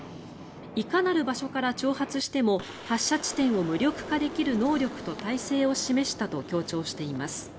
いかなる場所から挑発しても発射地点を無力化できる能力と態勢を示したと強調しています。